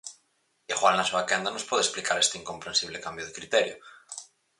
Igual na súa quenda nos pode explicar este incompresible cambio de criterio.